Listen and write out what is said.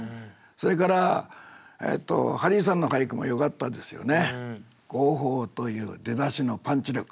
それからハリーさんの俳句もよかったですよね。